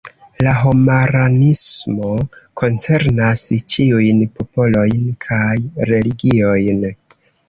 La homaranismo koncernas ĉiujn popolojn kaj religiojn.